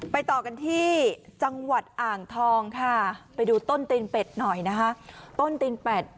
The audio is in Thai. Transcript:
ไปต่อกันที่จังหวัดอ่างทองค่ะไปดูต้นตีนเป็ดหน่อยนะคะ